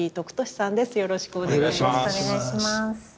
よろしくお願いします。